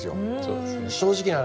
正直な話